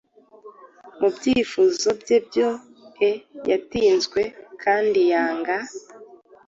Mubyifuzo bye byoe, yatinzwe kandi yanga,